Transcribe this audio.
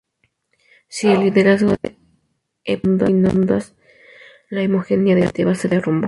Sin el liderazgo de Epaminondas, la hegemonía de Tebas se derrumbó.